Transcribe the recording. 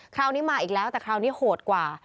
คราวนี้มาอีกแล้วแต่คราวนี้โหดกว่า